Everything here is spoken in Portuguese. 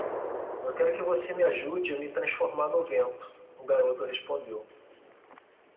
"Eu quero que você me ajude a me transformar no vento?" o garoto respondeu.